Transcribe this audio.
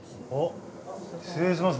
失礼します